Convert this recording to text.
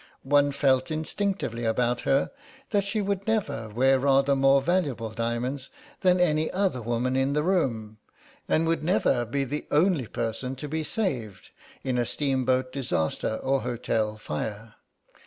One felt instinctively about her that she would never wear rather more valuable diamonds than any other woman in the room, and would never be the only person to be saved in a steamboat disaster or hotel fire.